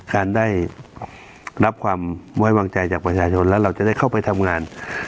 การได้รับความไว้วางใจจากประชาชนแล้วเราจะได้เข้าไปทำงาน